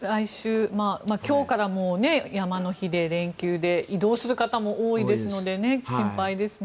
今日から山の日で連休で、移動する方も多いので心配ですね。